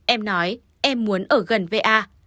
em nói em muốn ở gần va